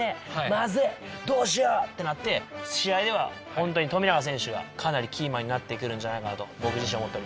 まずいどうしよう！ってなって試合では本当に富永選手がかなりキーマンになってくるんじゃないかなと。